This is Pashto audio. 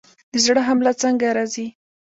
د زړه حمله څنګه راځي؟